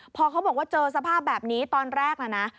พอเขาบอกว่าเจอสภาพแบบนี้ตอนแรกนะนะ